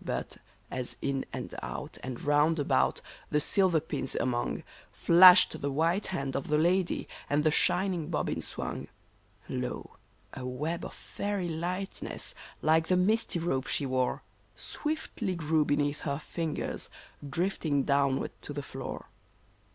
But, as in and out and round about, the silver pins among, Flashed the white hand of the lady, and the shining bobbins swung, Lo ! a web of fairy lightness like the misty robe she wore, Swiftly grew beneath her fingers, drifting downward to the floor